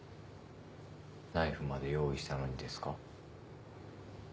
ナイフまで用意したのにですか？